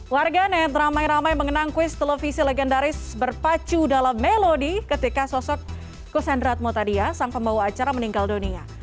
warga net ramai ramai mengenang kuis televisi legendaris berpacu dalam melodi ketika sosok kus hendrat motadia sang pembawa acara meninggal dunia